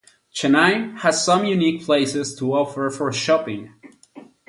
Chennai has some unique places to offer for shopping.